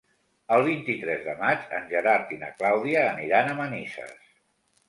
El vint-i-tres de maig en Gerard i na Clàudia aniran a Manises.